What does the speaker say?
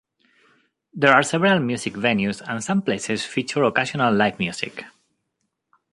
There are several music venues and some places feature occasional live music.